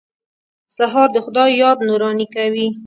سهار د خدای یاد نوراني کوي.